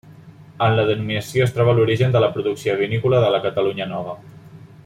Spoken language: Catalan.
En la denominació es troba l'origen de la producció vinícola de la Catalunya Nova.